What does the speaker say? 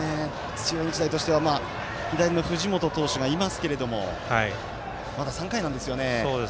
土浦日大としては左の藤本投手がいますけどまだ３回なんですよね。